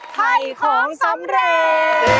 ให้ของสำเร็จ